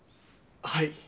はい。